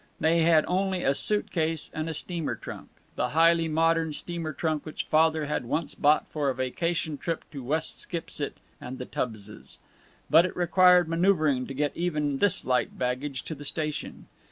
They had only a suit case and a steamer trunk, the highly modern steamer trunk which Father had once bought for a vacation trip to West Skipsit and the Tubbses. But it required manoeuvering to get even this light baggage to the station.